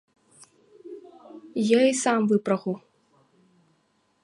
Я й сам выпрагу.